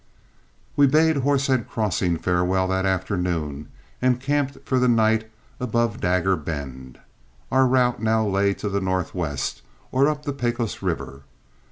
We bade Horsehead Crossing farewell that afternoon and camped for the night above Dagger Bend. Our route now lay to the northwest, or up the Pecos River.